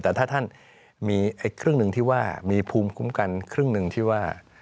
แต่ถ้าท่านมีครึ่งหนึ่งที่ว่ามีภูมิคุ้มกันครึ่งหนึ่งที่ว่า